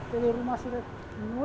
dari rumah sudah penuh